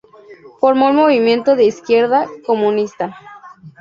Formó el movimiento de Izquierda Comunista.